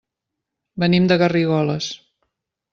Venim de Garrigoles.